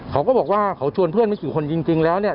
เขาก็บอกว่าเขาชวนเพื่อนไม่กี่คนจริงแล้วเนี่ย